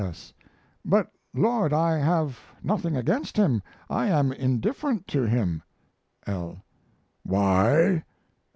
S. But, Lord, I have nothing against him; I am indifferent to him. L. Why?